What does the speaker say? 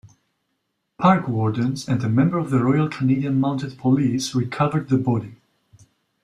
Park wardens and a member of the Royal Canadian Mounted Police recovered the body.